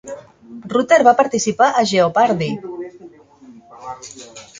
Rutter va participar a Jeopardy!